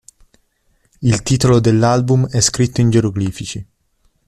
Il titolo dell'album è scritto in geroglifici.